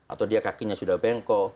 atau dia kakinya sudah bengkok